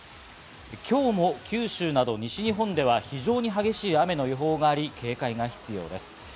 今日も九州など、西日本では非常に激しい雨の予報があり、警戒が必要です。